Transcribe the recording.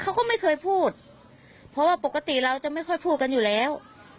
เขาก็ไม่เคยพูดเพราะว่าปกติเราจะไม่ค่อยพูดกันอยู่แล้ว